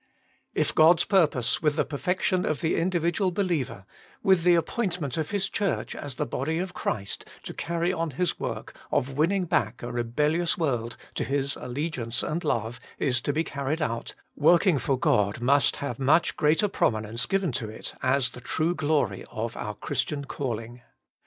If God's purpose with the perfection of the individual believer, with the appoint ment of His Church as the body of Christ Working for God 39 to carry on His work of winning back a re bellions world to His allegiance and love, is to be carried out, working for God must have much greater prominence given to it as the true glory of our Christian calling.